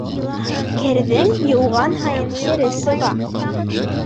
Керҙең йыуған һайын кере сыға.